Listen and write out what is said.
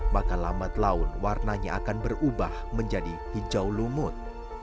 maka lambat laun warnanya akan berubah menjadi hijau lumut